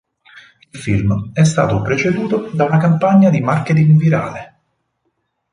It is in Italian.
Il film è stato preceduto da una campagna di marketing virale.